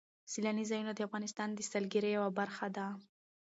سیلاني ځایونه د افغانستان د سیلګرۍ یوه برخه ده.